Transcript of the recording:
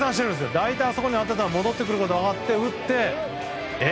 大体そこに打ったら戻ってくることは分かって、打って。